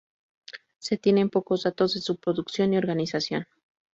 Se tienen pocos datos de su producción y organización.